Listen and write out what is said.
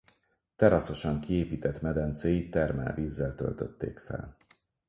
Teraszosan kiépített medencéit termálvízzel töltötték fel.